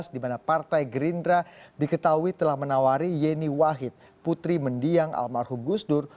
di mana partai gerindra diketahui telah menawari yeni wahid putri mendiang almarhum gusdur